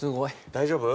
大丈夫？